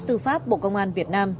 tư pháp bộ công an việt nam